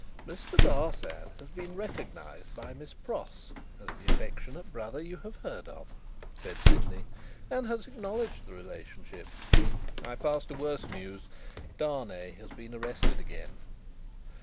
"Mr. Barsad has been recognised by Miss Pross as the affectionate brother you have heard of," said Sydney, "and has acknowledged the relationship. I pass to worse news. Darnay has been arrested again."